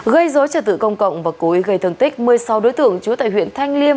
gây dối trật tự công cộng và cố ý gây thương tích một mươi sáu đối tượng trú tại huyện thanh liêm